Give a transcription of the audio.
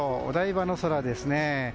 お台場の空ですね。